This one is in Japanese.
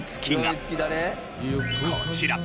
こちら。